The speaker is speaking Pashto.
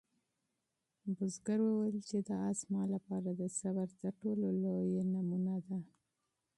بزګر وویل چې دا آس زما لپاره د صبر تر ټولو لویه نمونه ده.